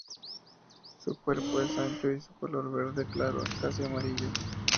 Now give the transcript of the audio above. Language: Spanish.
Su cuerpo es ancho y su color verde claro casi amarillo.